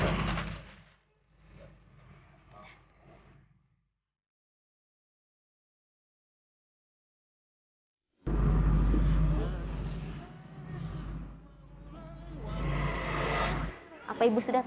ya makasih ibu mau lasah deh